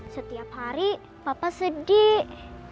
setiap hari papa sedih